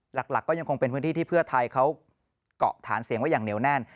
หลักก็ยังคงเป็นพื้นที่ที่เพื่อไทยเขาเกาะฐานเสียงไว้อย่างเหนียวแน่น